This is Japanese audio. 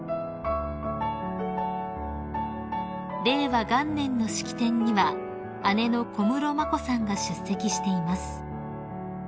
［令和元年の式典には姉の小室眞子さんが出席しています］